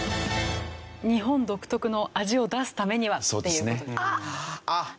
日本独特の味を出すためにはっていう事。